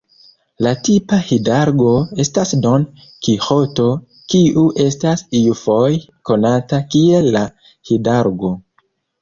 La tipa hidalgo estas Don Kiĥoto, kiu estas iufoje konata kiel "La Hidalgo".